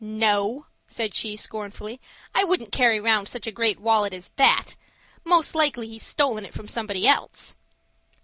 "No," said she, scornfully. "I wouldn't carry round such a great wallet as that. Most likely he's stolen it from somebody else."